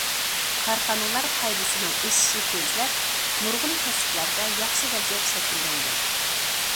كارخانىلار پايدىسىنىڭ ئېشىشى تېزلەپ، نۇرغۇن كەسىپلەردە ياخشى ۋەزىيەت شەكىللەنگەن.